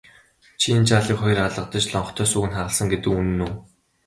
Чи энэ жаалыг хоёр алгадаж лонхтой сүүг нь хагалсан гэдэг үнэн үү?